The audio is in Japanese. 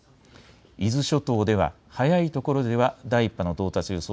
伊豆諸島では早いところでは第１波の到達予想